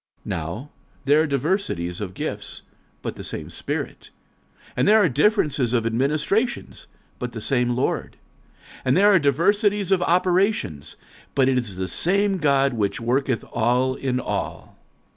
46:012:004 Now there are diversities of gifts, but the same Spirit. 46:012:005 And there are differences of administrations, but the same Lord. 46:012:006 And there are diversities of operations, but it is the same God which worketh all in all.